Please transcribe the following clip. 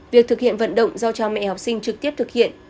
việc thực hiện vận động do cha mẹ học sinh trực tiếp thực hiện